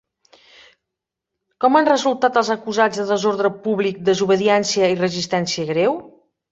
Com han resultat els acusats de desordre públic, desobediència i resistència greu?